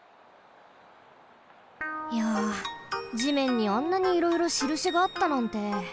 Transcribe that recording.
いや地面にあんなにいろいろしるしがあったなんて。